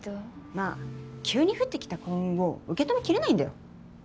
まあ急に降ってきた幸運を受け止めきれないんだよ。